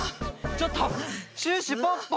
ちょっとシュッシュポッポ！